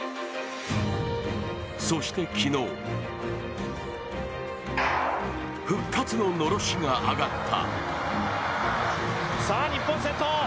そして昨日復活ののろしが上がった。